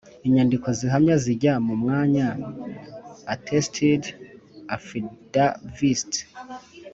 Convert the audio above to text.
Inyandiko zihamya zijya mu mwanya Attested affidavits